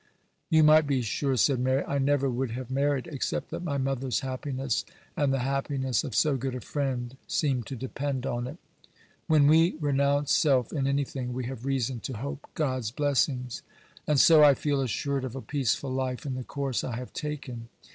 'You might be sure,' said Mary, 'I never would have married, except that my mother's happiness and the happiness of so good a friend seem to depend on it. When we renounce self in anything, we have reason to hope God's blessing; and so I feel assured of a peaceful life in the course I have taken.